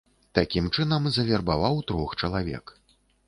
Такім чынам завербаваў трох чалавек.